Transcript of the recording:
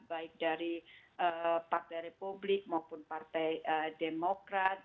baik dari partai republik maupun partai demokrat